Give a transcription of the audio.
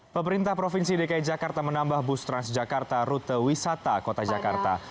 pemerintah provinsi dki jakarta menambah bus transjakarta rute wisata kota jakarta